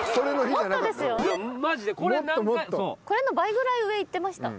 これの倍ぐらい上行ってました。